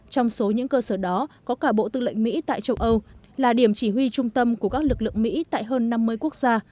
trong số những cơ sở đó có cả bộ tư lệnh mỹ tại châu âu là điểm chỉ huy trung tâm của các lực lượng mỹ tại hơn năm mươi quốc gia